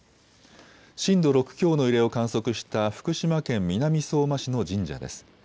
震度６強の揺れを観測した福島県南相馬市の神社です。